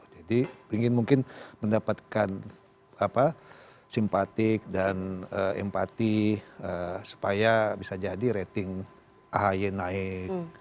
jadi ingin mendapatkan simpatik dan empati supaya bisa jadi rating ahy naik